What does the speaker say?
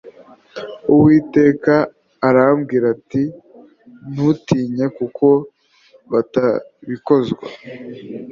Uwiteka arambwira ati Ntumutinye kuko batabikozwa